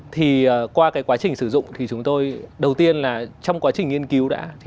thì qua quá trình sử dụng thì chúng tôi đầu tiên là trong quá trình nghiên cứu đã